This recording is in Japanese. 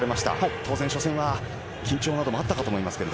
当然、初戦は緊張もあったと思います。